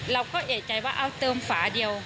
เราก็เอกใจว่าเอาเติมฝาเดียว